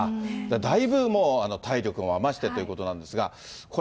だいぶ体力も余してということなんですが、これ、